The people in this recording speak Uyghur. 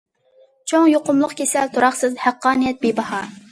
چوڭ يۇقۇملۇق كېسەل تۇراقسىز، ھەققانىيەت بىباھا.